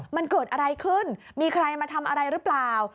มันเกิดอะไรขึ้นมีใครมาทำอะไรหรือเปล่า